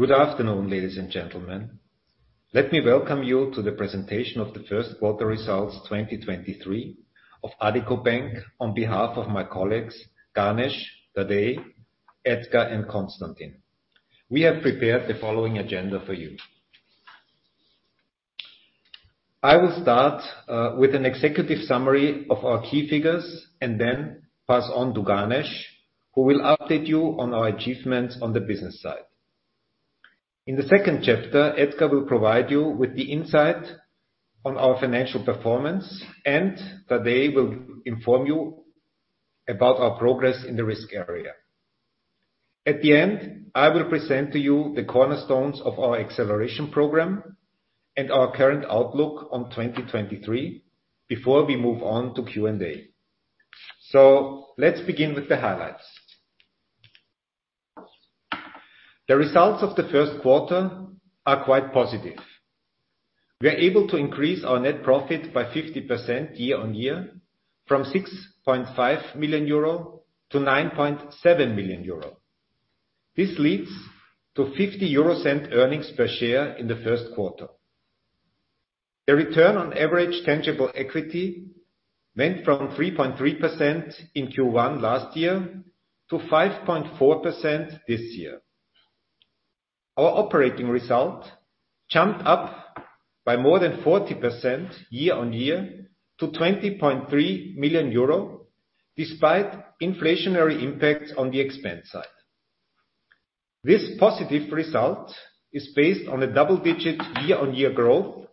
Good afternoon, ladies and gentlemen. Let me welcome you to the presentation of the First Quarter Results 2023 of Addiko Bank on behalf of my colleagues, Ganesh, Tadej, Edgar, and Konstantin. We have prepared the following agenda for you. I will start with an executive summary of our key figures and then pass on to Ganesh, who will update you on our achievements on the business side. In the second chapter, Edgar will provide you with the insight on our financial performance, and Tadej will inform you about our progress in the risk area. At the end, I will present to you the cornerstones of our Acceleration Program and our current outlook on 2023 before we move on to Q&A. Let's begin with the highlights. The results of the first quarter are quite positive. We are able to increase our net profit by 50% year-on-year from 6.5 million euro to 9.7 million euro. This leads to 0.50 earnings per share in the first quarter. The return on average tangible equity went from 3.3% in Q1 last year to 5.4% this year. Our operating result jumped up by more than 40% year-on-year to 20.3 million euro despite inflationary impacts on the expense side. This positive result is based on a double-digit year-on-year growth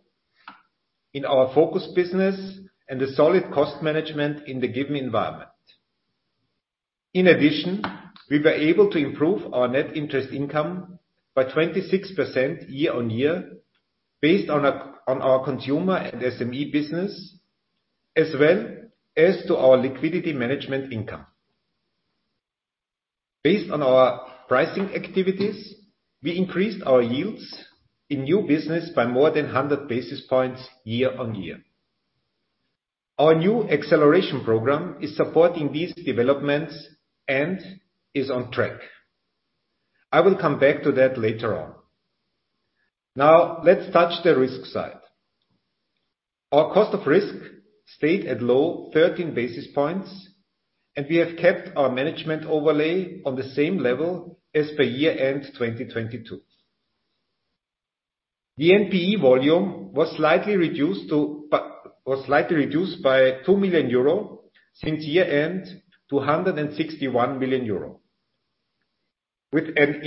in our focus business and the solid cost management in the given environment. In addition, we were able to improve our net interest income by 26% year-on-year based on our consumer and SME business, as well as to our liquidity management income. Based on our pricing activities, we increased our yields in new business by more than 100 basis points year-on-year. Our new Acceleration Program is supporting these developments and is on track. I will come back to that later on. Let's touch the risk side. Our cost of risk stayed at low 13 basis points, and we have kept our management overlay on the same level as per year-end 2022. The NPE volume was slightly reduced by 2 million euro since year-end to 161 million euro, with an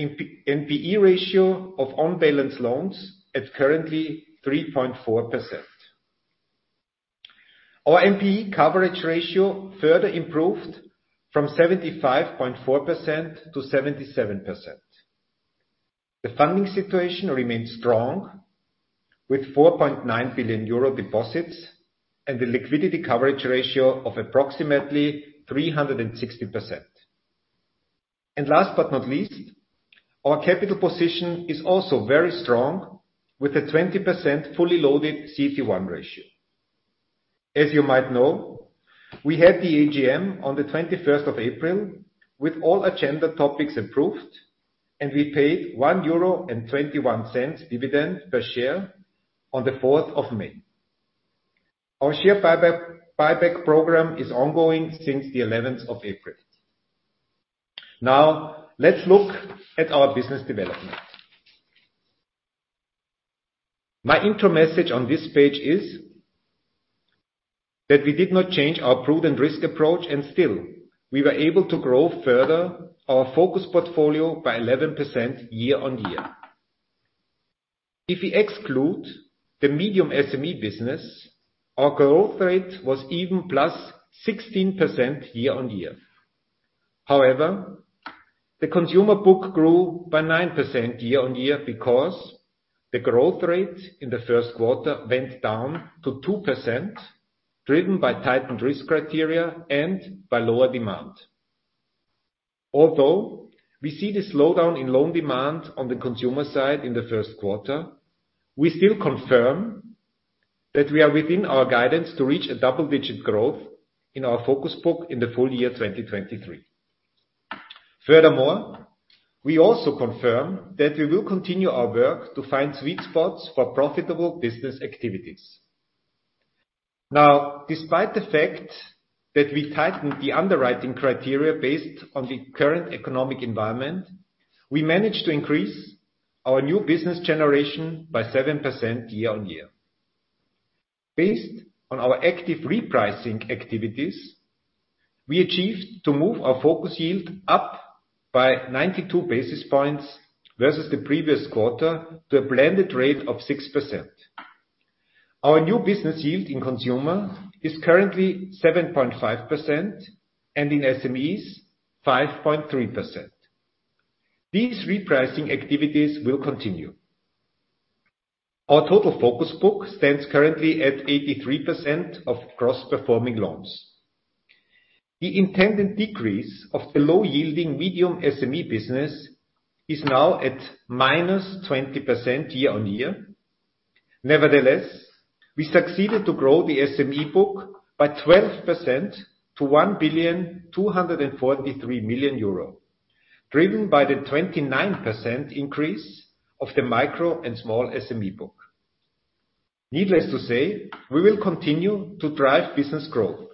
NPE ratio of on-balance loans at currently 3.4%. Our NPE coverage ratio further improved from 75.4% to 77%. The funding situation remains strong with 4.9 billion euro deposits and the liquidity coverage ratio of approximately 360%. Last but not least, our capital position is also very strong with a 20% fully loaded CET1 ratio. As you might know, we had the AGM on the 21st of April with all agenda topics approved, and we paid 1.21 euro dividend per share on the 4th of May. Our share buyback program is ongoing since the 11th of April. Let's look at our business development. My intro message on this page is that we did not change our prudent risk approach. Still, we were able to grow further our focus portfolio by 11% year-on-year. If we exclude the medium SME business, our growth rate was even +16% year-on-year. The consumer book grew by 9% year-on-year because the growth rate in the first quarter went down to 2%, driven by tightened risk criteria and by lower demand. We see the slowdown in loan demand on the consumer side in the first quarter, we still confirm that we are within our guidance to reach a double-digit growth in our focus book in the full year 2023. We also confirm that we will continue our work to find sweet spots for profitable business activities. Despite the fact that we tightened the underwriting criteria based on the current economic environment, we managed to increase our new business generation by 7% year-on-year. Based on our active repricing activities, we achieved to move our focus yield up by 92 basis points versus the previous quarter to a blended rate of 6%. Our new business yield in consumer is currently 7.5%, and in SMEs, 5.3%. These repricing activities will continue. Our total focus book stands currently at 83% of gross performing loans. The intended decrease of the low-yielding medium SME business is now at -20% year-on-year. Nevertheless, we succeeded to grow the SME book by 12% to 1,243 million euro, driven by the 29% increase of the micro and small SME book. Needless to say, we will continue to drive business growth,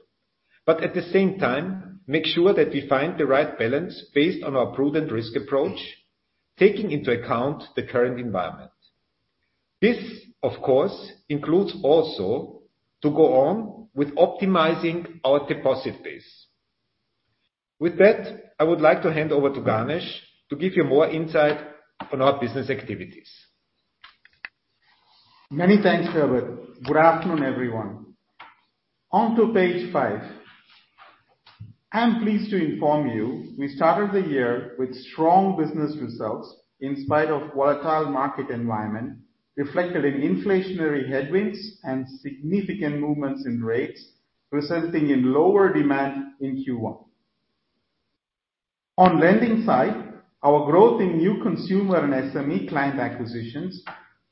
but at the same time, make sure that we find the right balance based on our prudent risk approach, taking into account the current environment. This, of course, includes also to go on with optimizing our deposit base. With that, I would like to hand over to Ganesh to give you more insight on our business activities. Many thanks, Herbert. Good afternoon, everyone. On to page 5. I am pleased to inform you we started the year with strong business results in spite of volatile market environment, reflected in inflationary headwinds and significant movements in rates, resulting in lower demand in Q1. On lending side, our growth in new consumer and SME client acquisitions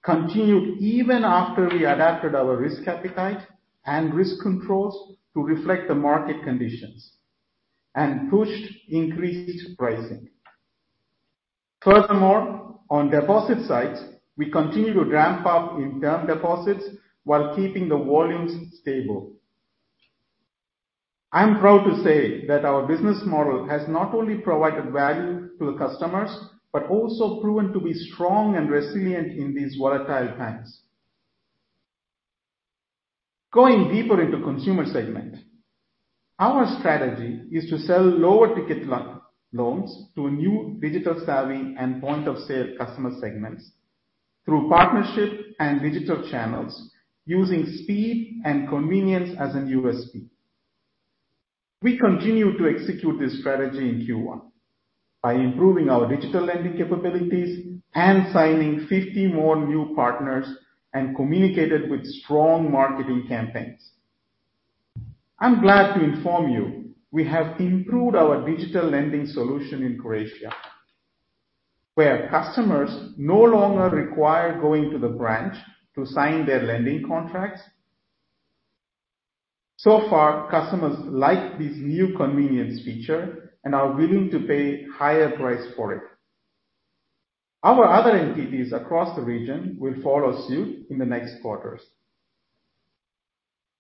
continued even after we adapted our risk appetite and risk controls to reflect the market conditions and pushed increased pricing. Furthermore, on deposit side, we continue to ramp up in term deposits while keeping the volumes stable. I am proud to say that our business model has not only provided value to the customers, but also proven to be strong and resilient in these volatile times. Going deeper into consumer segment, our strategy is to sell lower ticket loans to a new digital savvy and point of sale customer segments through partnership and digital channels using speed and convenience as an USP. We continue to execute this strategy in Q1 by improving our digital lending capabilities and signing 50 more new partners and communicated with strong marketing campaigns. I'm glad to inform you we have improved our digital lending solution in Croatia, where customers no longer require going to the branch to sign their lending contracts. So far, customers like this new convenience feature and are willing to pay higher price for it. Our other entities across the region will follow suit in the next quarters.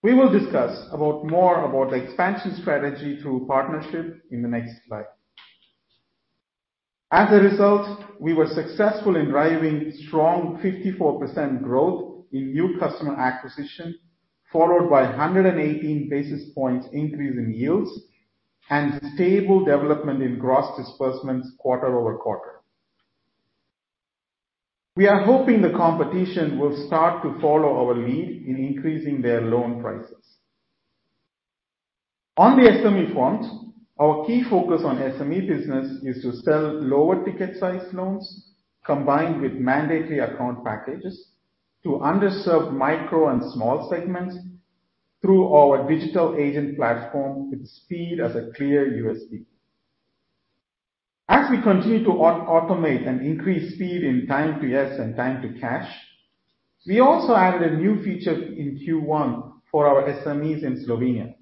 We will discuss more about the expansion strategy through partnership in the next slide. We were successful in driving strong 54% growth in new customer acquisition, followed by 118 basis points increase in yields and stable development in gross disbursements quarter-over-quarter. We are hoping the competition will start to follow our lead in increasing their loan prices. On the SME front, our key focus on SME business is to sell lower ticket size loans combined with mandatory account packages to underserved micro and small segments through our digital agent platform with speed as a clear USP. As we continue to automate and increase speed in time to yes and time to cash, we also added a new feature in Q1 for our SMEs in Slovenia.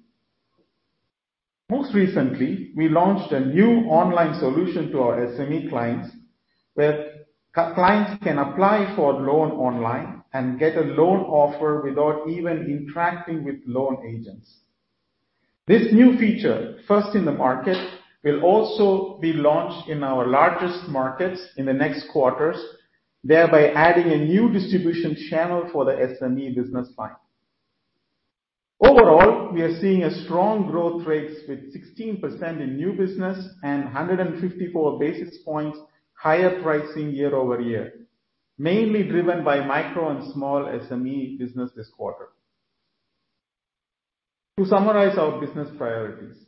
Most recently, we launched a new online solution to our SME clients, where clients can apply for loan online and get a loan offer without even interacting with loan agents. This new feature, first in the market, will also be launched in our largest markets in the next quarters, thereby adding a new distribution channel for the SME business line. Overall, we are seeing a strong growth rates with 16% in new business and 154 basis points higher pricing year-over-year, mainly driven by micro and small SME business this quarter. To summarize our business priorities,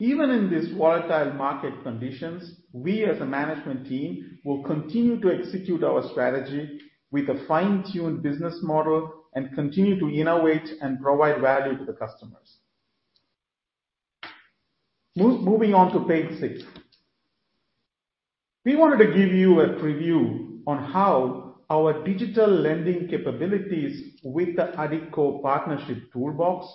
even in this volatile market conditions, we as a management team will continue to execute our strategy with a fine-tuned business model and continue to innovate and provide value to the customers. Moving on to page 6. We wanted to give you a preview on how our digital lending capabilities with the Addiko partnership toolbox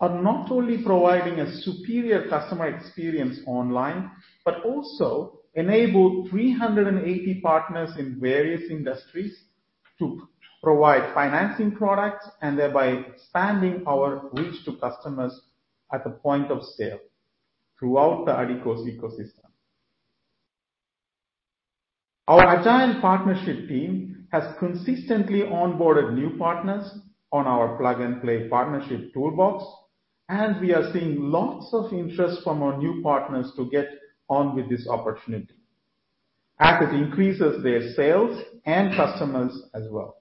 are not only providing a superior customer experience online, but also enable 380 partners in various industries to provide financing products and thereby expanding our reach to customers at the point of sale throughout the Addiko's ecosystem. Our agile partnership team has consistently onboarded new partners on our plug and play partnership toolbox, and we are seeing lots of interest from our new partners to get on with this opportunity as it increases their sales and customers as well.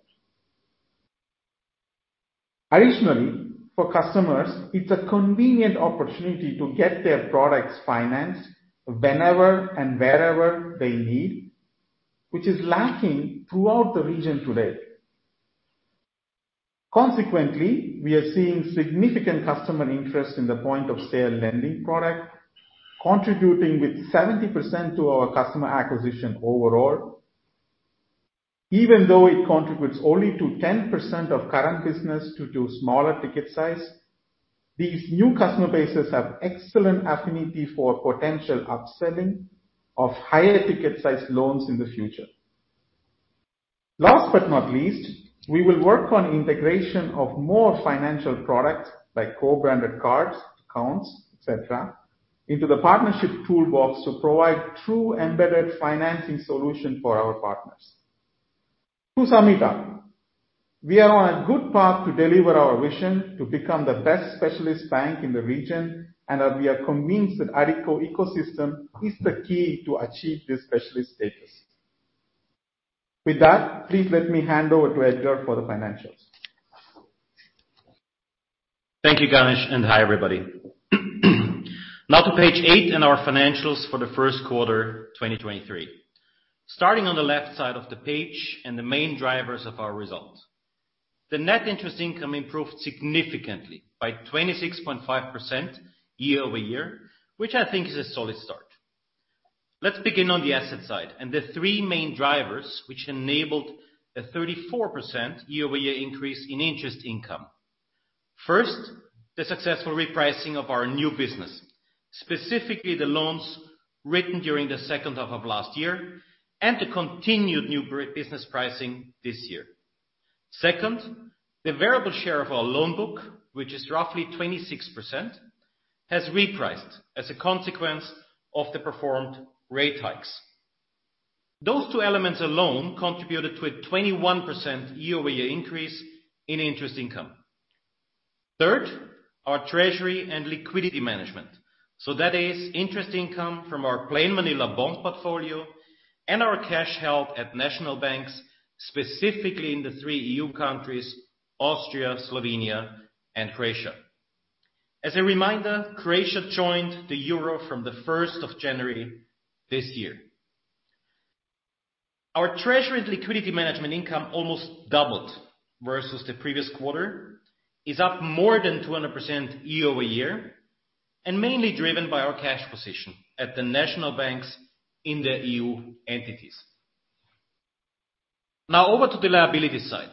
Additionally, for customers, it's a convenient opportunity to get their products financed whenever and wherever they need, which is lacking throughout the region today. Consequently, we are seeing significant customer interest in the point-of-sale lending product, contributing with 70% to our customer acquisition overall. Even though it contributes only to 10% of current business due to smaller ticket size, these new customer bases have excellent affinity for potential upselling of higher ticket size loans in the future. Last but not least, we will work on integration of more financial products like co-branded cards, accounts, et cetera, into the Partnership Toolbox to provide true embedded financing solution for our partners. To sum it up, we are on a good path to deliver our vision to become the best specialist bank in the region, and that we are convinced that Addiko ecosystem is the key to achieve this specialist status. With that, please let me hand over to Edgar for the financials. Thank you, Ganesh. Hi, everybody. Now to page eight in our financials for the first quarter, 2023. Starting on the left side of the page, the main drivers of our results. The net interest income improved significantly by 26.5% year-over-year, which I think is a solid start. Let's begin on the asset side, the three main drivers which enabled a 34% year-over-year increase in interest income. First, the successful repricing of our new business, specifically the loans written during the second half of last year and the continued new business pricing this year. Second, the variable share of our loan book, which is roughly 26%, has repriced as a consequence of the performed rate hikes. Those two elements alone contributed to a 21% year-over-year increase in interest income. Third, our treasury and liquidity management. That is interest income from our plain vanilla bond portfolio and our cash held at national banks, specifically in the three EU countries, Austria, Slovenia, and Croatia. As a reminder, Croatia joined the euro from the 1st of January this year. Our treasury and liquidity management income almost doubled versus the previous quarter, is up more than 200% year-over-year, and mainly driven by our cash position at the national banks in the EU entities. Over to the liability side.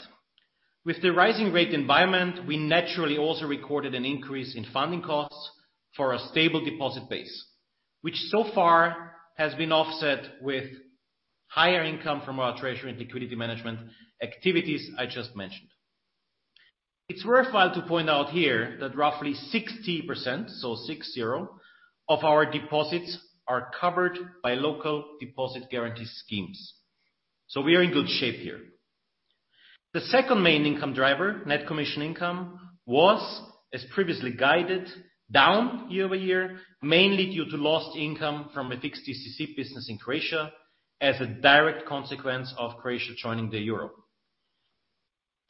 With the rising rate environment, we naturally also recorded an increase in funding costs for a stable deposit base, which so far has been offset with higher income from our treasury and liquidity management activities I just mentioned. It's worthwhile to point out here that roughly 60%, so 60, of our deposits are covered by local deposit guarantee schemes, We are in good shape here. The second main income driver, net commission income, was, as previously guided, down year-over-year, mainly due to lost income from a fixed DCC business in Croatia as a direct consequence of Croatia joining the euro.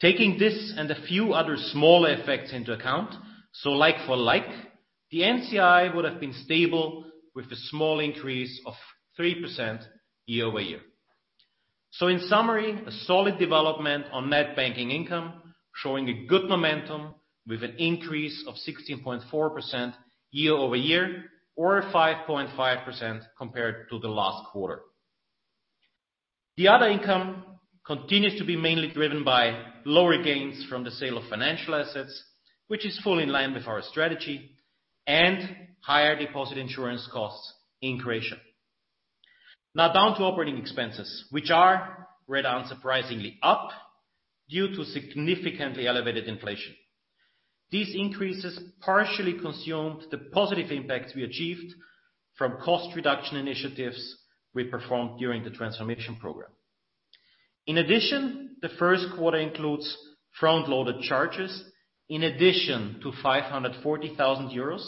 Taking this and a few other small effects into account, so like for like, the NCI would have been stable with a small increase of 3% year-over-year. In summary, a solid development on Net Banking Income, showing a good momentum with an increase of 16.4% year-over-year or 5.5% compared to the last quarter. The other income continues to be mainly driven by lower gains from the sale of financial assets, which is fully in line with our strategy and higher deposit insurance costs in Croatia. Down to operating expenses, which are, read unsurprisingly, up due to significantly elevated inflation. These increases partially consumed the positive impacts we achieved from cost reduction initiatives we performed during the Transformation Program. In addition, the first quarter includes front-loaded charges in addition to 540,000 euros,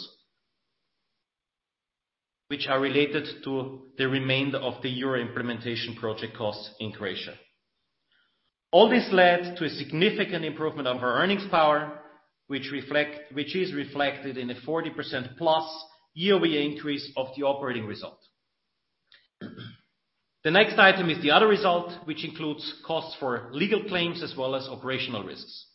which are related to the remainder of the euro implementation project costs in Croatia. All this led to a significant improvement of our earnings power, which is reflected in a 40%+ year-over-year increase of the operating result. The next item is the other result, which includes costs for legal claims as well as operational risks.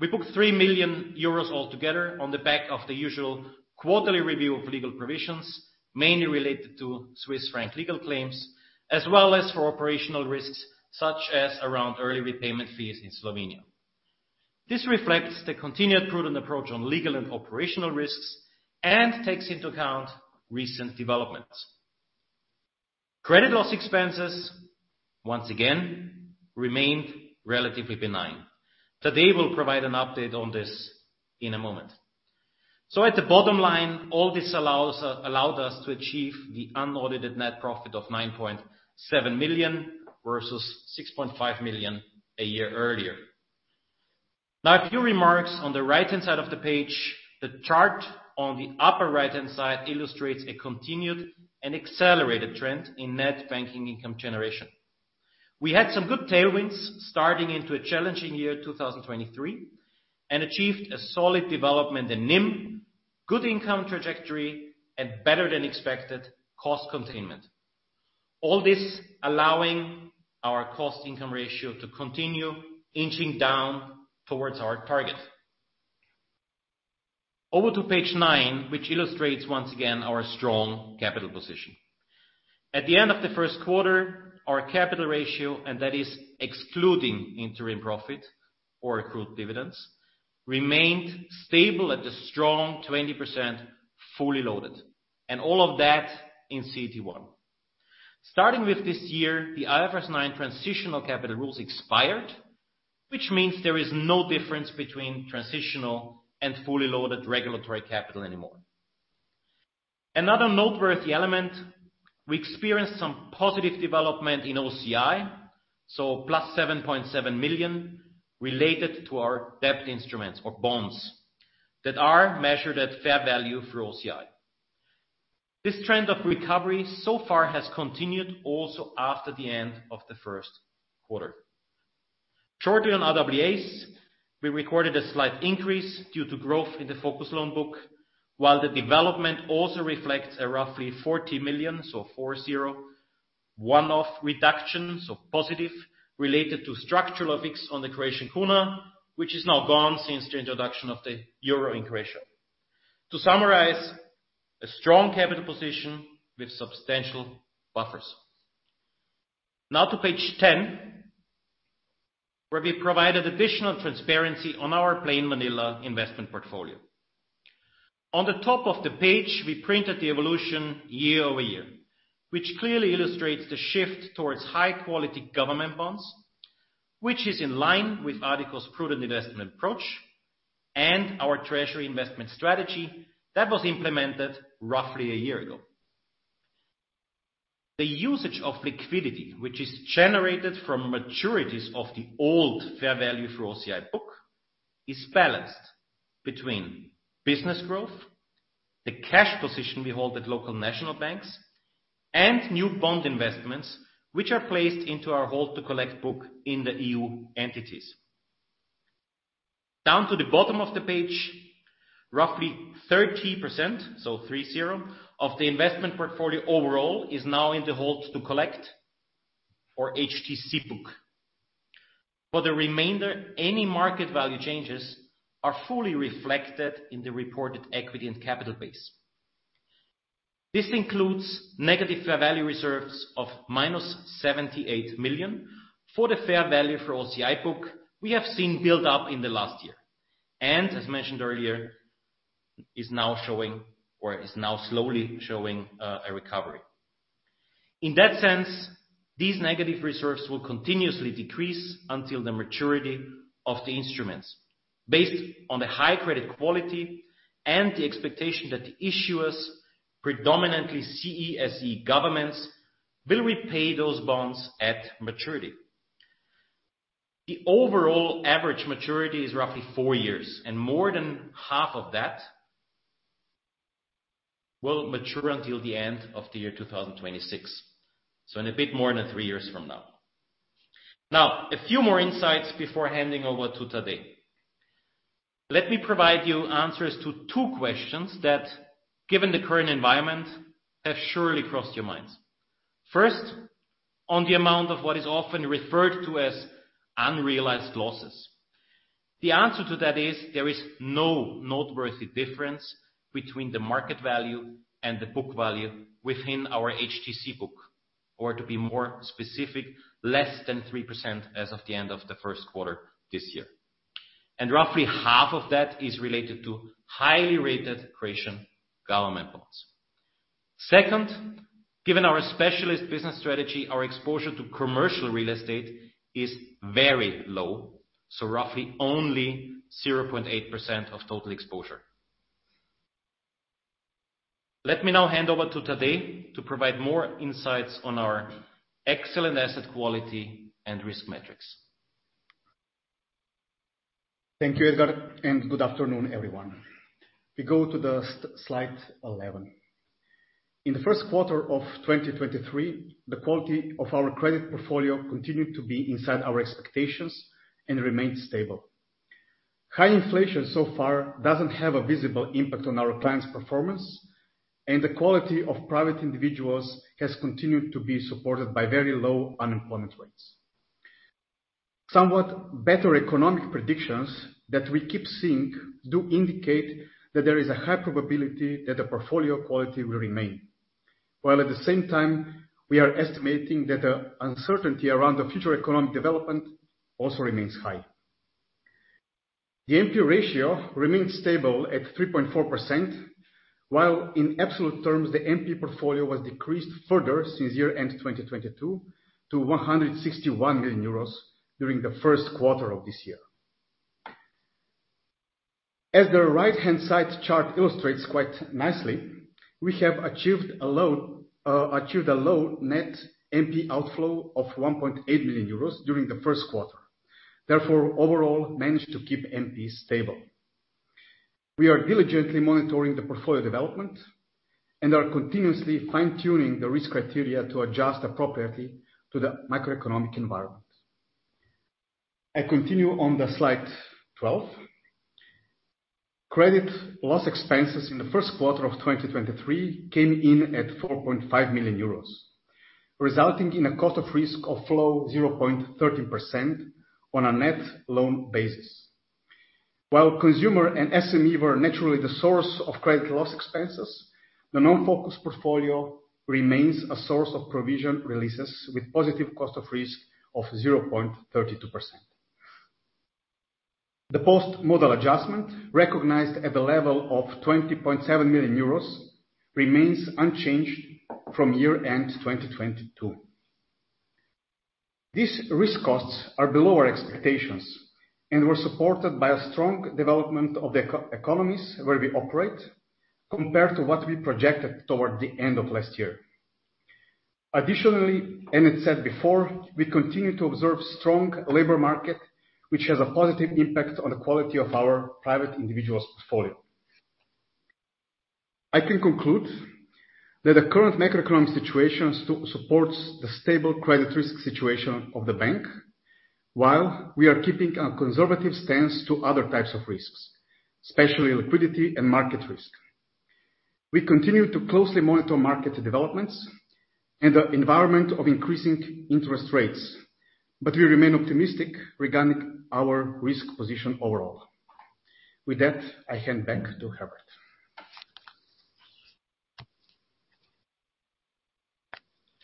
We booked 3 million euros altogether on the back of the usual quarterly review of legal provisions, mainly related to Swiss franc legal claims, as well as for operational risks, such as around early repayment fees in Slovenia. This reflects the continued prudent approach on legal and operational risks and takes into account recent developments. Credit loss expenses, once again, remained relatively benign. Tadej will provide an update on this in a moment. At the bottom line, all this allowed us to achieve the unaudited net profit of 9.7 million versus 6.5 million a year earlier. A few remarks on the right-hand side of the page. The chart on the upper right-hand side illustrates a continued and accelerated trend in Net Banking Income generation. We had some good tailwinds starting into a challenging year, 2023, and achieved a solid development in NIM, good income trajectory, and better than expected cost containment. All this allowing our cost-income ratio to continue inching down towards our target. Over to page 9, which illustrates once again our strong capital position. At the end of the first quarter, our capital ratio, and that is excluding interim profit or accrued dividends, remained stable at a strong 20% fully loaded, and all of that in CET1. Starting with this year, the IFRS 9 transitional capital rules expired, which means there is no difference between transitional and fully loaded regulatory capital anymore. Another noteworthy element, we experienced some positive development in OCI, so +7.7 million related to our debt instruments or bonds that are measured at fair value for OCI. This trend of recovery so far has continued also after the end of the first quarter. Shortly on RWAs, we recorded a slight increase due to growth in the focus loan book, while the development also reflects a roughly 40 million, so 40, one-off reduction, so positive, related to structural FX on the Croatian kuna, which is now gone since the introduction of the euro in Croatia. To summarize, a strong capital position with substantial buffers. Now to page 10, where we provided additional transparency on our plain vanilla investment portfolio. On the top of the page, we printed the evolution year-over-year, which clearly illustrates the shift towards high-quality government bonds. Which is in line with Addiko's prudent investment approach and our treasury investment strategy that was implemented roughly a year ago. The usage of liquidity, which is generated from maturities of the old fair value through OCI book, is balanced between business growth, the cash position we hold at local national banks, and new bond investments which are placed into our hold to collect book in the EU entities. Down to the bottom of the page, roughly 30%, so three zero, of the investment portfolio overall is now in the hold to collect or HTC book. For the remainder, any market value changes are fully reflected in the reported equity and capital base. This includes negative fair value reserves of -78 million for the fair value for OCI book we have seen build up in the last year. As mentioned earlier, is now slowly showing a recovery. In that sense, these negative reserves will continuously decrease until the maturity of the instruments based on the high credit quality and the expectation that the issuers, predominantly CSEE governments, will repay those bonds at maturity. The overall average maturity is roughly four years, and more than half of that will mature until the end of the year 2026. In a bit more than three years from now. Now, a few more insights before handing over to Tadej. Let me provide you answers to two questions that, given the current environment, have surely crossed your minds. First, on the amount of what is often referred to as unrealized losses. The answer to that is there is no noteworthy difference between the market value and the book value within our HTC book, or to be more specific, less than 3% as of the end of the first quarter this year. Roughly half of that is related to highly rated Croatian government bonds. Second, given our specialist business strategy, our exposure to commercial real estate is very low, so roughly only 0.8% of total exposure. Let me now hand over to Tadej to provide more insights on our excellent asset quality and risk metrics. Thank you, Edgar, good afternoon, everyone. We go to slide 11. In the first quarter of 2023, the quality of our credit portfolio continued to be inside our expectations and remained stable. High inflation so far doesn't have a visible impact on our clients' performance, the quality of private individuals has continued to be supported by very low unemployment rates. Somewhat better economic predictions that we keep seeing do indicate that there is a high probability that the portfolio quality will remain. While at the same time, we are estimating that the uncertainty around the future economic development also remains high. The NPE ratio remained stable at 3.4%, while in absolute terms, the NPE portfolio was decreased further since year-end 2022 to 161 million euros during the first quarter of this year. As the right-hand side chart illustrates quite nicely, we have achieved a low net NP outflow of 1.8 million euros during the first quarter, therefore overall managed to keep NP stable. We are diligently monitoring the portfolio development and are continuously fine-tuning the risk criteria to adjust appropriately to the macroeconomic environment. I continue on slide 12. Credit loss expenses in the first quarter of 2023 came in at 4.5 million euros, resulting in a cost of risk of low 0.13% on a net loan basis. While consumer and SME were naturally the source of credit loss expenses, the non-focus portfolio remains a source of provision releases with positive cost of risk of 0.32%. The post-model adjustment, recognized at the level of 20.7 million euros, remains unchanged from year-end 2022. These risk costs are below our expectations and were supported by a strong development of the economies where we operate compared to what we projected toward the end of last year. Additionally, as it said before, we continue to observe strong labor market, which has a positive impact on the quality of our private individual's portfolio. I can conclude that the current macroeconomic situation supports the stable credit risk situation of the bank, while we are keeping a conservative stance to other types of risks, especially liquidity and market risk. We continue to closely monitor market developments and the environment of increasing interest rates, but we remain optimistic regarding our risk position overall. With that, I hand back to Herbert.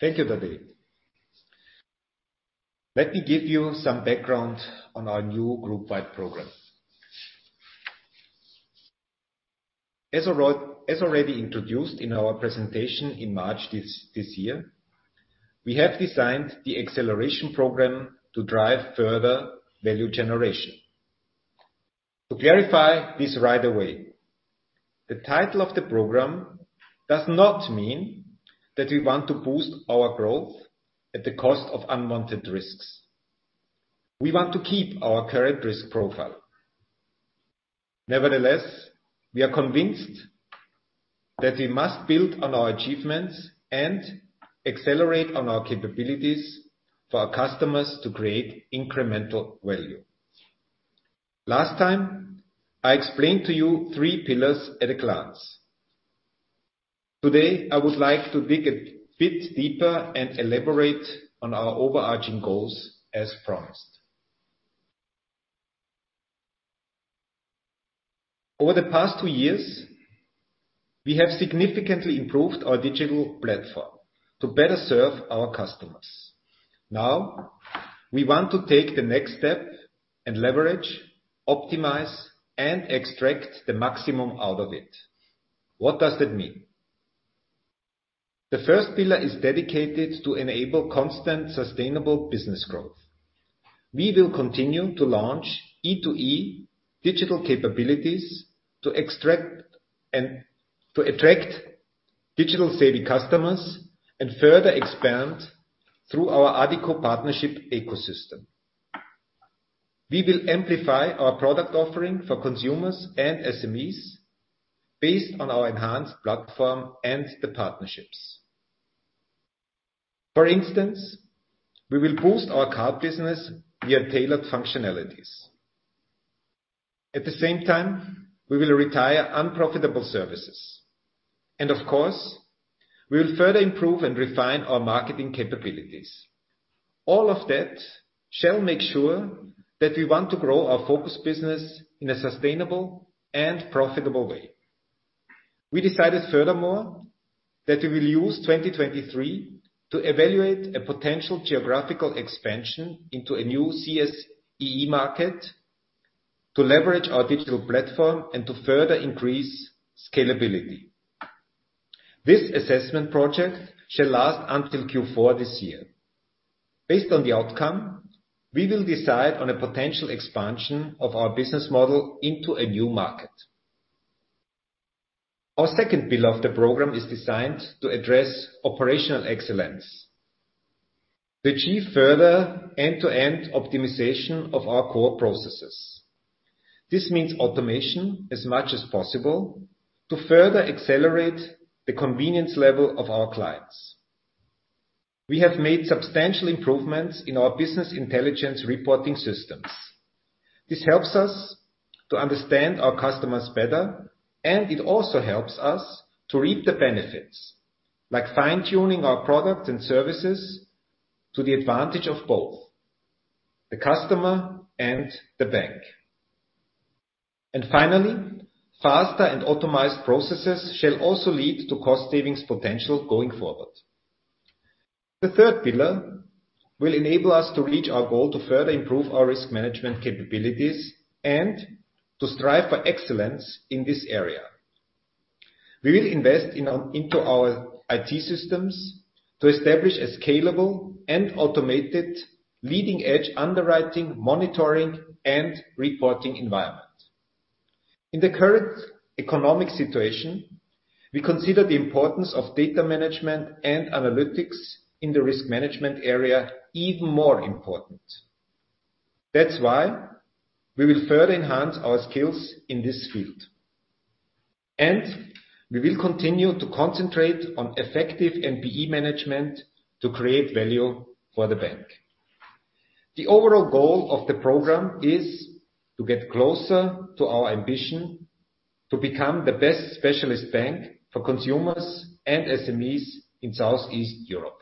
Thank you, Tadej. Let me give you some background on our new group-wide program. As already introduced in our presentation in March this year, we have designed the Acceleration Program to drive further value generation. To clarify this right away, the title of the program does not mean that we want to boost our growth at the cost of unwanted risks. We want to keep our current risk profile. Nevertheless, we are convinced that we must build on our achievements and accelerate on our capabilities for our customers to create incremental value. Last time, I explained to you three pillars at a glance. Today, I would like to dig a bit deeper and elaborate on our overarching goals as promised. Over the past two years, we have significantly improved our digital platform to better serve our customers. Now, we want to take the next step and leverage, optimize, and extract the maximum out of it. What does that mean? The first pillar is dedicated to enable constant sustainable business growth. We will continue to launch E2E digital capabilities to extract and to attract digital-savvy customers and further expand through our Addiko partnership ecosystem. We will amplify our product offering for consumers and SMEs based on our enhanced platform and the partnerships. For instance, we will boost our card business via tailored functionalities. At the same time, we will retire unprofitable services, and of course, we will further improve and refine our marketing capabilities. All of that shall make sure that we want to grow our focus business in a sustainable and profitable way. We decided furthermore that we will use 2023 to evaluate a potential geographical expansion into a new CSEE market to leverage our digital platform and to further increase scalability. This assessment project shall last until Q4 this year. Based on the outcome, we will decide on a potential expansion of our business model into a new market. Our second pillar of the program is designed to address operational excellence, to achieve further end-to-end optimization of our core processes. This means automation as much as possible to further accelerate the convenience level of our clients. We have made substantial improvements in our business intelligence reporting systems. This helps us to understand our customers better, and it also helps us to reap the benefits, like fine-tuning our products and services to the advantage of both the customer and the bank. Finally, faster and automized processes shall also lead to cost savings potential going forward. The third pillar will enable us to reach our goal to further improve our risk management capabilities and to strive for excellence in this area. We will invest into our IT systems to establish a scalable and automated leading-edge underwriting, monitoring, and reporting environment. In the current economic situation, we consider the importance of data management and analytics in the risk management area even more important. That's why we will further enhance our skills in this field, and we will continue to concentrate on effective NPE management to create value for the bank. The overall goal of the program is to get closer to our ambition to become the best specialist bank for consumers and SMEs in Southeast Europe.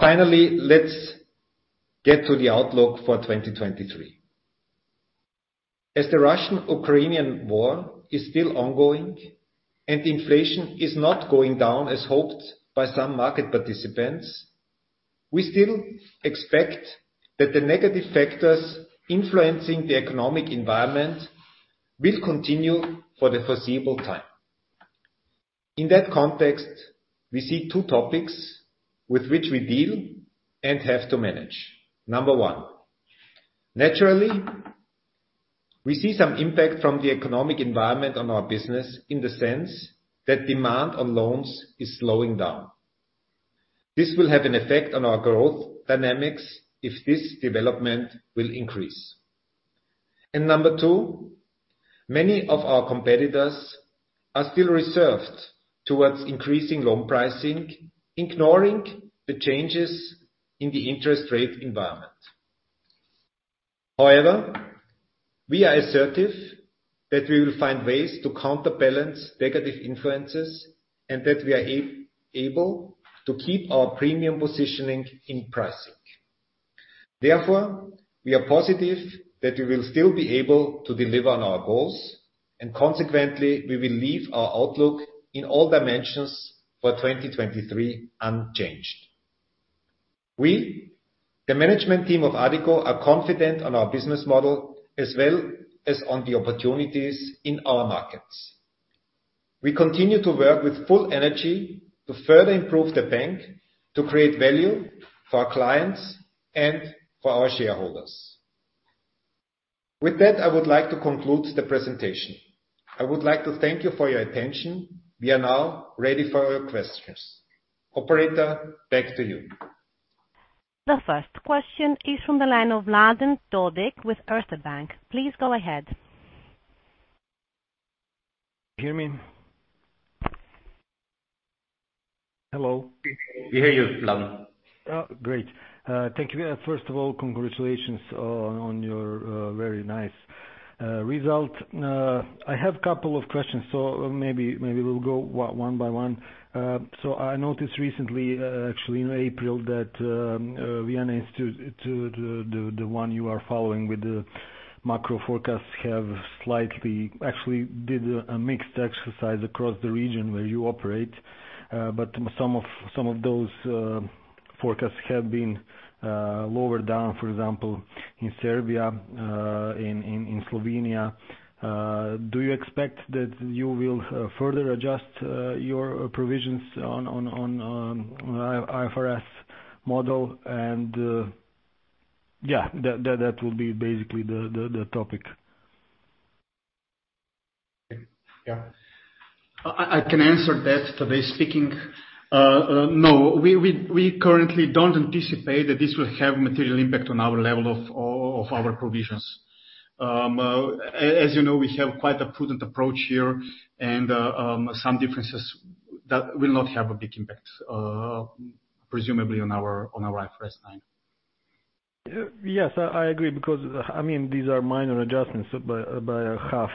Finally, let's get to the outlook for 2023. As the Russian-Ukrainian war is still ongoing and inflation is not going down as hoped by some market participants, we still expect that the negative factors influencing the economic environment will continue for the foreseeable time. In that context, we see two topics with which we deal and have to manage. Number one, naturally, we see some impact from the economic environment on our business in the sense that demand on loans is slowing down. This will have an effect on our growth dynamics if this development will increase. Number two, many of our competitors are still reserved towards increasing loan pricing, ignoring the changes in the interest rate environment. However, we are assertive that we will find ways to counterbalance negative influences and that we are able to keep our premium positioning in pricing. Therefore, we are positive that we will still be able to deliver on our goals, and consequently, we will leave our outlook in all dimensions for 2023 unchanged. We, the management team of Addiko, are confident on our business model as well as on the opportunities in our markets. We continue to work with full energy to further improve the bank to create value for our clients and for our shareholders. With that, I would like to conclude the presentation. I would like to thank you for your attention. We are now ready for your questions. Operator, back to you. The first question is from the line of Mladen Todić with Erste Bank. Please go ahead. Hear me? Hello. We hear you, Mladen. Great. Thank you. First of all, congratulations on your very nice result. I have couple of questions, so maybe we'll go one by one. I noticed recently, actually in April that Vienna Institute, the one you are following with the macro forecasts, have slightly. Actually did a mixed exercise across the region where you operate. Some of those forecasts have been lower down, for example, in Serbia, in Slovenia. Do you expect that you will further adjust your provisions on IFRS model and. Yeah, that will be basically the topic. Yeah. I can answer that, Today speaking. No, we currently don't anticipate that this will have material impact on our level of our provisions. As you know, we have quite a prudent approach here and some differences that will not have a big impact, presumably on our IFRS 9. Yes. I agree, because, I mean, these are minor adjustments by a half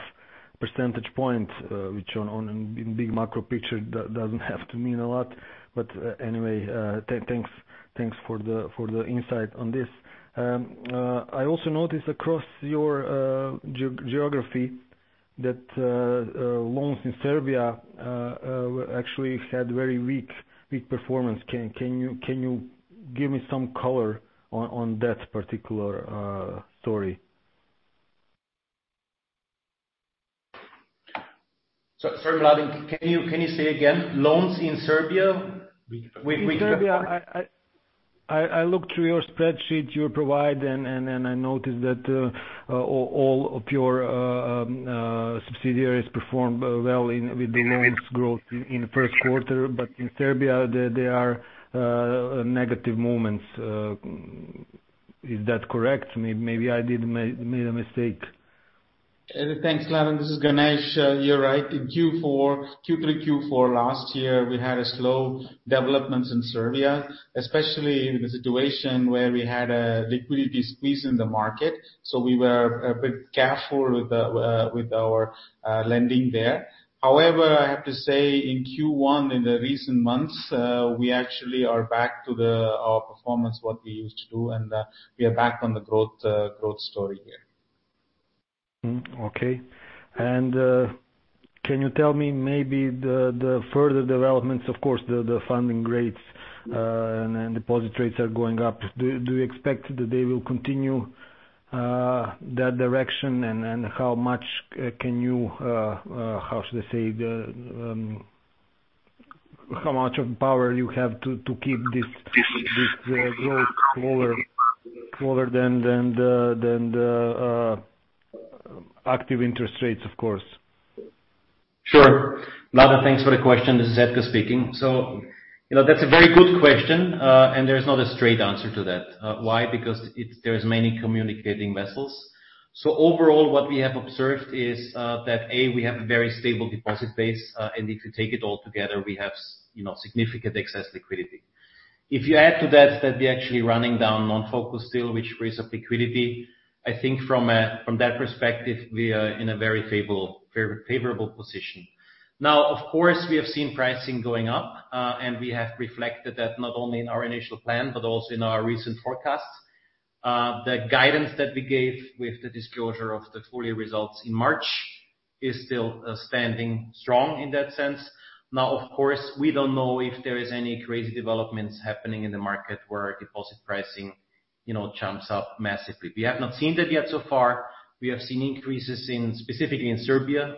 percentage point, which on big macro picture doesn't have to mean a lot. Anyway, thanks for the insight on this. I also noticed across your geography that loans in Serbia actually had very weak performance. Can you give me some color on that particular story? Sorry, Mladen. Can you say again, loans in Serbia? In Serbia, I looked through your spreadsheet you provide and I noticed that all of your subsidiaries performed well. In nine. With the loans growth in the first quarter. In Serbia there are negative moments. Is that correct? Maybe I did made a mistake. Thanks, Mladen. This is Ganesh. You're right. In Q4, Q3, Q4 last year, we had a slow developments in Serbia, especially in the situation where we had a liquidity squeeze in the market. We were a bit careful with our lending there. However, I have to say, in Q1, in the recent months, we actually are back to our performance, what we used to do, and we are back on the growth growth story here. Okay. Can you tell me maybe the further developments, of course, the funding rates and deposit rates are going up. Do you expect that they will continue that direction? How much can you, how should I say, how much of power you have to keep this growth slower than the active interest rates, of course? Sure. Mladen, thanks for the question. This is Edgar speaking. You know, that's a very good question, and there's not a straight answer to that. Why? Because there's many communicating vessels. Overall, what we have observed is, that, A, we have a very stable deposit base, and if you take it all together we have you know, significant excess liquidity. If you add to that we're actually running down non-focus deal, which frees up liquidity. I think from that perspective, we are in a very favorable position. Of course, we have seen pricing going up, and we have reflected that not only in our initial plan but also in our recent forecasts. The guidance that we gave with the disclosure of the full year results in March is still standing strong in that sense. Of course, we don't know if there is any crazy developments happening in the market where deposit pricing, you know, jumps up massively. We have not seen that yet so far. We have seen increases in, specifically in Serbia,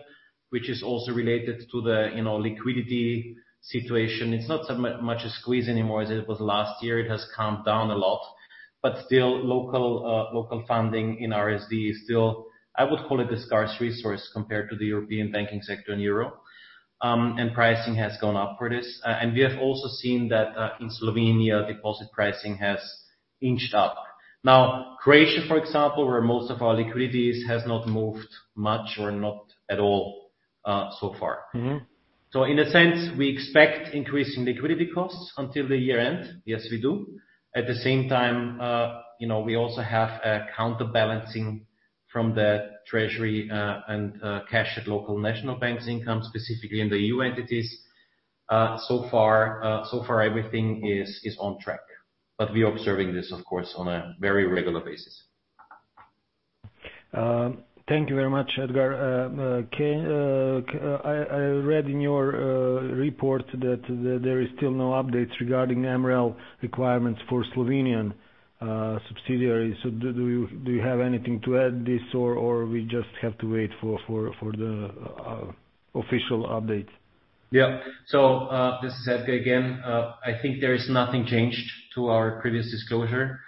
which is also related to the, you know, liquidity situation. It's not so much a squeeze anymore as it was last year. It has calmed down a lot. Still local funding in RSD is still, I would call it a scarce resource compared to the European banking sector in EUR. Pricing has gone up for this. We have also seen that, in Slovenia, deposit pricing has inched up. Now, Croatia, for example, where most of our liquidity is, has not moved much or not at all, so far. Mm-hmm. In a sense, we expect increasing liquidity costs until the year end. Yes, we do. At the same time, you know, we also have a counterbalancing from the treasury, and cash at local national banks income, specifically in the EU entities. So far everything is on track. We're observing this, of course, on a very regular basis. Thank you very much, Edgar. I read in your report that there is still no updates regarding MREL requirements for Slovenian subsidiaries. Do you have anything to add this or we just have to wait for the official update? Yeah. This is Edgar again. I think there is nothing changed to our previous disclosure.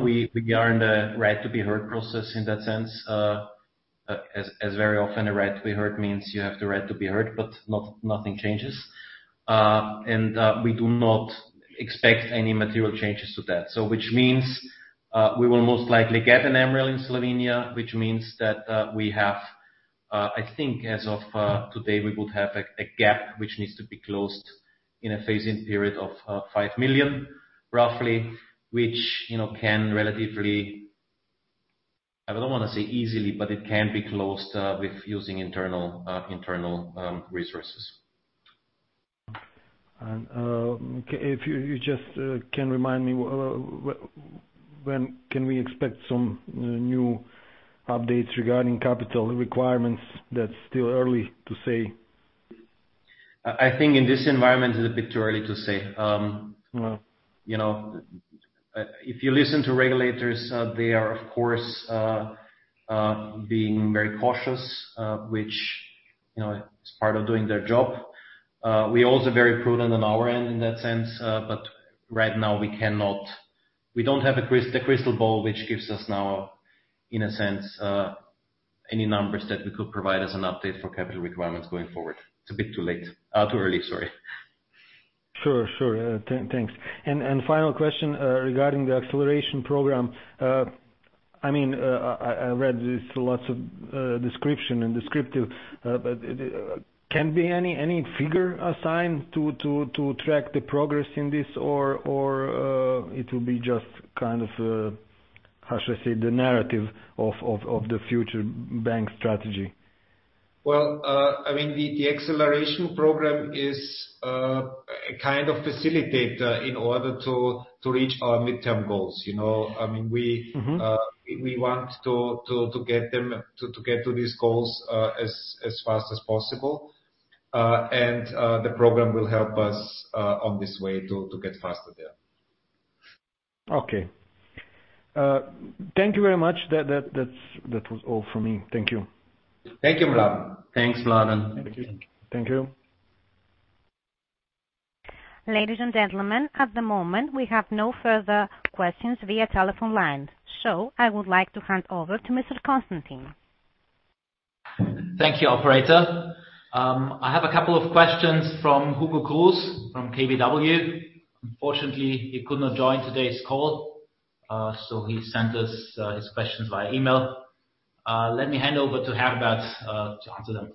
We are in the right to be heard process in that sense. As very often, a right to be heard means you have the right to be heard, but nothing changes. We do not expect any material changes to that. Which means, we will most likely get an MREL in Slovenia, which means that we have... I think as of today, we would have a gap which needs to be closed in a phase-in period of 5 million, roughly, which, you know, can relatively, I don't wanna say easily, but it can be closed with using internal resources. Okay, if you just can remind me when can we expect some new updates regarding capital requirements that's still early to say? I think in this environment it's a bit too early to say. Mm-hmm. You know, if you listen to regulators, they are of course, being very cautious, which, you know, is part of doing their job. We're also very prudent on our end in that sense. Right now We don't have a crystal ball, which gives us now, in a sense, any numbers that we could provide as an update for capital requirements going forward. It's a bit too late. Too early, sorry. Sure. Sure. Thanks. Final question, regarding the Acceleration Program. I mean, I read there's lots of description and descriptive, but can be any figure assigned to track the progress in this? Or, it will be just kind of, how should I say, the narrative of the future bank strategy? Well, I mean, the Acceleration Program is a kind of facilitator in order to reach our midterm goals, you know. I mean. Mm-hmm. We want to get them, to get to these goals, as fast as possible. The program will help us on this way to get faster there. Okay. Thank you very much. That's all for me. Thank you. Thank you, Mladen. Thanks, Mladen. Thank you. Thank you. Ladies and gentlemen, at the moment, we have no further questions via telephone line. I would like to hand over to Constantin Gussich. Thank you, operator. I have a couple of questions from Hugo Cruz from KBW. Unfortunately, he could not join today's call, so he sent us his questions via email. Let me hand over to Herbert to answer them.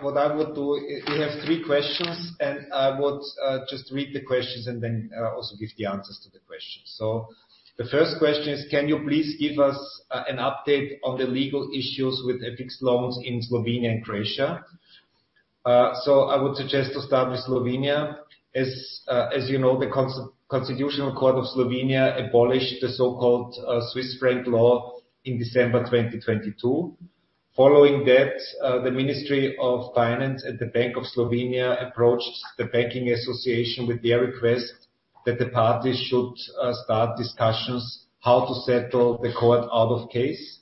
What I would do, we have three questions, and I would just read the questions and then also give the answers to the questions. The first question is, can you please give us an update on the legal issues with CHF loans in Slovenia and Croatia? I would suggest to start with Slovenia. As you know, the Constitutional Court of Slovenia abolished the so-called Swiss Franc Law in December 2022. Following that, the Ministry of Finance at the Bank of Slovenia approached the banking association with their request that the parties should start discussions how to settle the court out of case.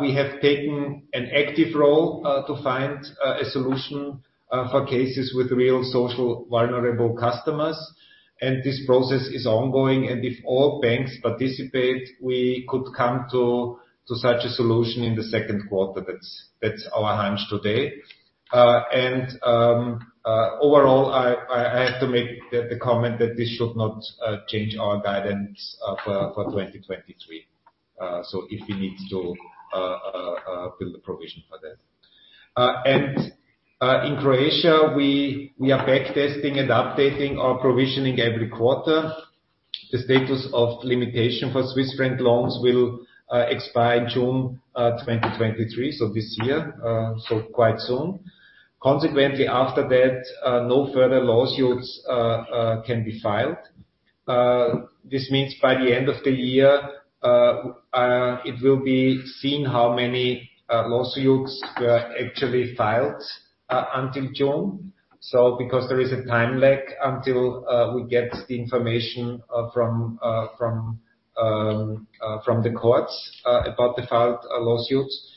We have taken an active role to find a solution for cases with real social vulnerable customers, and this process is ongoing. If all banks participate, we could come to such a solution in the second quarter. That's our hunch today. Overall, I have to make the comment that this should not change our guidance for 2023, so if we need to build a provision for that. In Croatia, we are back testing and updating our provisioning every quarter. The statute of limitations for Swiss Franc loans will expire June 2023, this year, quite soon. Consequently, after that, no further lawsuits can be filed. This means by the end of the year, it will be seen how many lawsuits were actually filed until June. Because there is a time lag until we get the information from the courts about the filed lawsuits.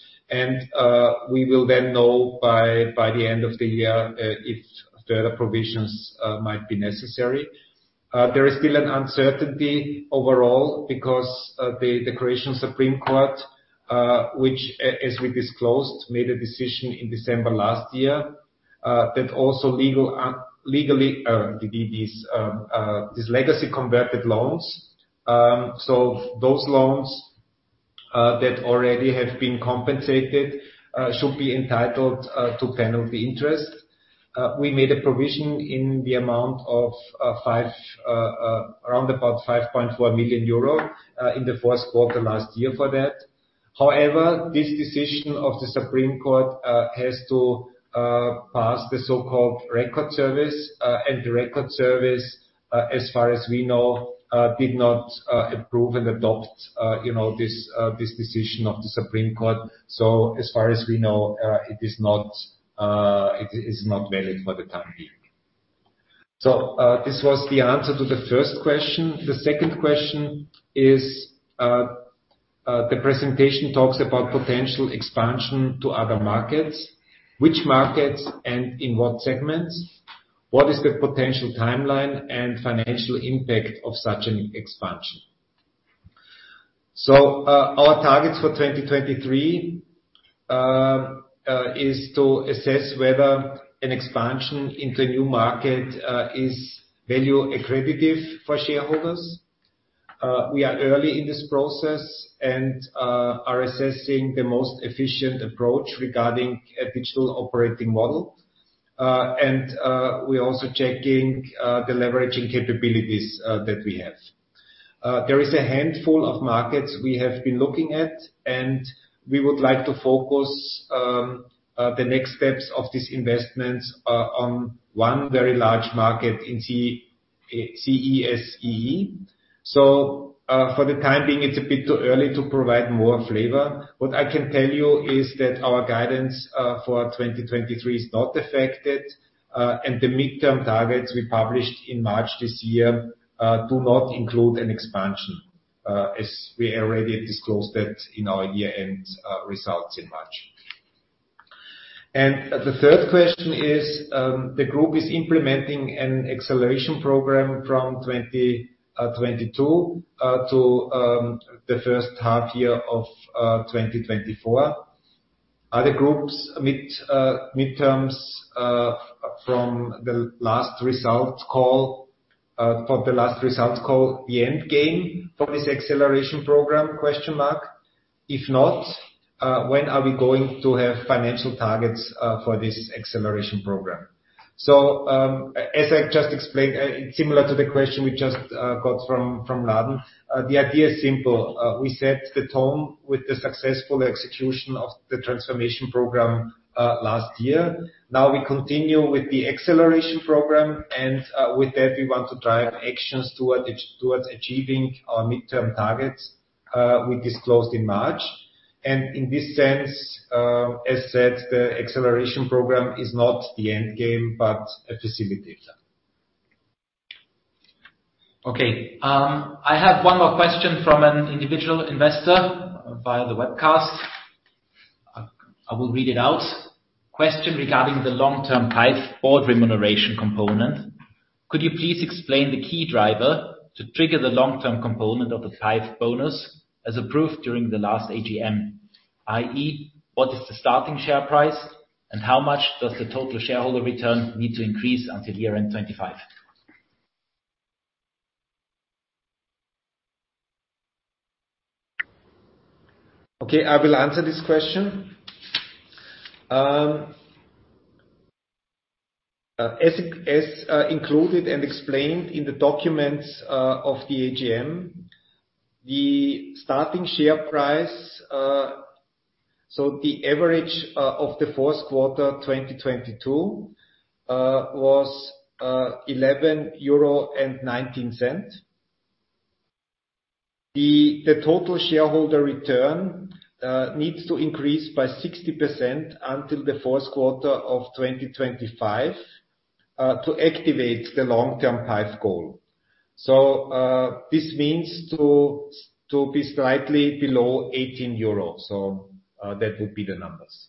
We will then know by the end of the year if further provisions might be necessary. There is still an uncertainty overall because the Croatian Supreme Court, as we disclosed, made a decision in December last year. That also legal, legally, these legacy converted loans. Those loans that already have been compensated should be entitled to penalty interest. We made a provision in the amount of around about 5.4 million euro in the first quarter last year for that. However, this decision of the Supreme Court has to pass the so-called record service. The record service, as far as we know, did not approve and adopt, you know, this decision of the Supreme Court. As far as we know, it is not, it is not valid for the time being. This was the answer to the first question. The second question is, the presentation talks about potential expansion to other markets. Which markets and in what segments? What is the potential timeline and financial impact of such an expansion? Our targets for 2023 is to assess whether an expansion into a new market is value accretive for shareholders. We are early in this process and are assessing the most efficient approach regarding a digital operating model. And we're also checking the leveraging capabilities that we have. There is a handful of markets we have been looking at, and we would like to focus the next steps of this investment on one very large market in CSEE. For the time being, it's a bit too early to provide more flavor. What I can tell you is that our guidance for 2023 is not affected. The midterm targets we published in March this year do not include an expansion, as we already disclosed that in our year-end results in March. The third question is, the group is implementing an Acceleration Program from 2022 to the first half year of 2024. Are the group's midterms from the last result call for the last result call the end game for this Acceleration Program? If not, when are we going to have financial targets for this Acceleration Program? As I just explained, similar to the question we just got from Mladen. The idea is simple. We set the tone with the successful execution of the Transformation Program last year. We continue with the Acceleration Program, with that, we want to drive actions towards achieving our midterm targets we disclosed in March. In this sense, as said, the Acceleration Program is not the end game, but a facilitator. Okay. I have one more question from an individual investor via the webcast. I will read it out. Question regarding the long-term PIF board remuneration component. Could you please explain the key driver to trigger the long-term component of the PIF bonus as approved during the last AGM, i.e., what is the starting share price and how much does the Total Shareholder Return need to increase until year-end 2025? Okay, I will answer this question. As included and explained in the documents of the AGM, the starting share price, so the average of the fourth quarter 2022, was EUR 11.19. The Total Shareholder Return needs to increase by 60% until the fourth quarter of 2025 to activate the long-term PIF goal. This means to be slightly below 18 euro. That would be the numbers.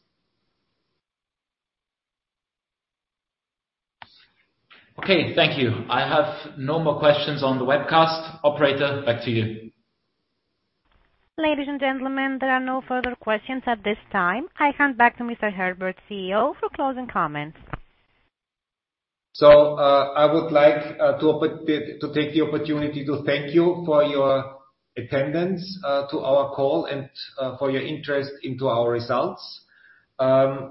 Okay, thank you. I have no more questions on the webcast. Operator, back to you. Ladies and gentlemen, there are no further questions at this time. I hand back to Herbert Juranek, CEO, for closing comments. I would like to take the opportunity to thank you for your attendance to our call and for your interest into our results.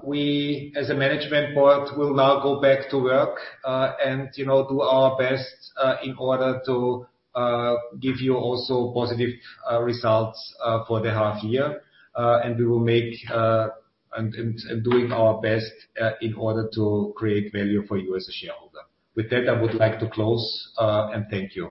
We, as a management board, will now go back to work and, you know, do our best in order to give you also positive results for the half year. And doing our best in order to create value for you as a shareholder. With that, I would like to close and thank you